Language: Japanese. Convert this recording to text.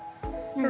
何？